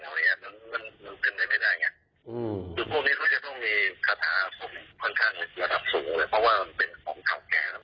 ก็อยู่ดีคราวนี้ก็จะต้องมีคาถาสมควรคันธรรมสูงเพราะว่าเป็นของเขาแก้ว